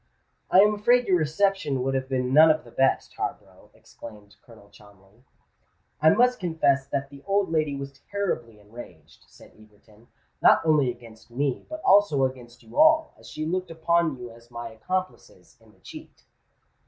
"I am afraid your reception would have been none of the best, Harborough," exclaimed Colonel Cholmondeley. "I must confess that the old lady was terribly enraged," said Egerton; "not only against me, but also against you all, as she looked upon you as my accomplices in the cheat."